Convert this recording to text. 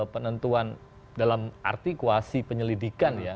penentuan dalam arti kuasi penyelidikan ya